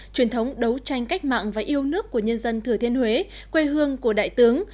truyền thống đấu tranh cách mạng và yêu nước của nhân dân thừa thiên huế quê hương của đại tướng